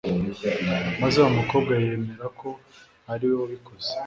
maze wa mukobwa yemera ko ari we wabikoze